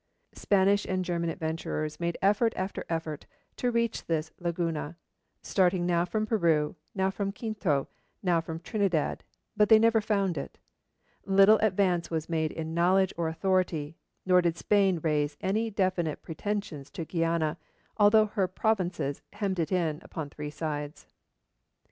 Spanish and German adventurers made effort after effort to reach this laguna, starting now from Peru, now from Quito, now from Trinidad, but they never found it: little advance was made in knowledge or authority, nor did Spain raise any definite pretensions to Guiana, although her provinces hemmed it in upon three sides.